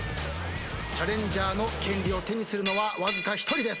チャレンジャーの権利を手にするのはわずか１人です。